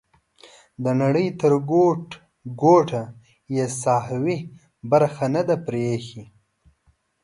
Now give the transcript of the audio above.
د نړۍ تر ګوټ ګوټه یې ساحوي برخه نه ده پریښې.